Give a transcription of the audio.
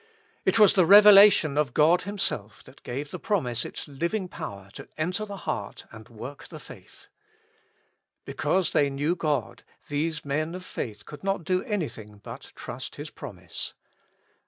It was the revelation of God Himself that gave the promise its living power 7 97 With Christ in the School of Prayer. to enter the heart and work the faith. Because they knew God these men of faith could not do anything but trust His promise.